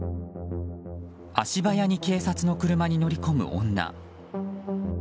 足早に警察の車に乗り込む女。